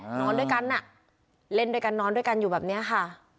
นอนด้วยกันอ่ะเล่นด้วยกันนอนด้วยกันอยู่แบบนี้ค่ะ